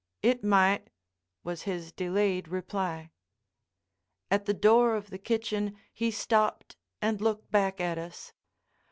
"It might," was his delayed reply. At the door of the kitchen he stopped and looked back at us.